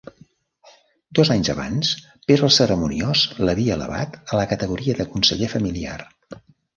Dos anys abans Pere el Cerimoniós l'havia elevat a la categoria de conseller familiar.